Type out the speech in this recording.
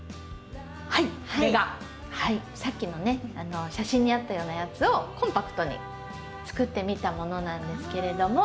はいこれがさっきのね写真にあったようなやつをコンパクトに作ってみたものなんですけれども。